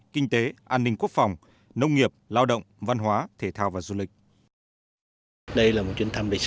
kinh tế an ninh quốc phòng nông nghiệp lao động văn hóa thể thao và du lịch